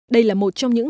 đây là một trong những